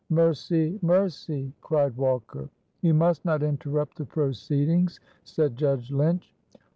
"Mercy! mercy!" cried Walker. "You must not interrupt the proceedings," said Judge Lynch.